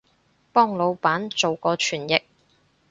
幫腦闆做過傳譯